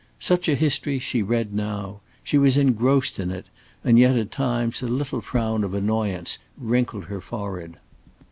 Such a history she read now. She was engrossed in it, and yet at times a little frown of annoyance wrinkled her forehead.